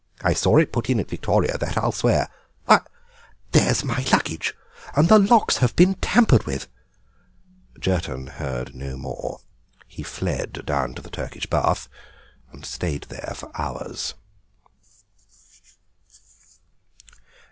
I saw it put in at Victoria, that I'll swear. Why—there is my luggage! and the locks have been tampered with!" Jerton heard no more. He fled down to the Turkish bath, and stayed there for hours.